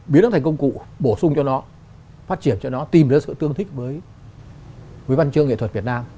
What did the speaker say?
biến nó thành công cụ bổ sung cho nó phát triển cho nó tìm ra sự tương thích với văn chương nghệ thuật việt nam